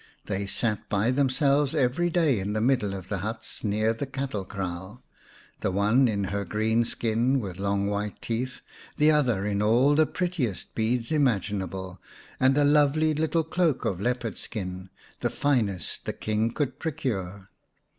They sat by themselves every day in the middle of the huts 202 xvn Or, the Moss Green Princess near the cattle kraal, the one in her green skin with long white teeth, the other in all the prettiest beads imaginable and a lovely little cloak of leopard skin, the finest the King could procure.